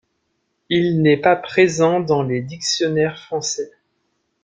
Il n'est pas présent dans les dictionnaires français.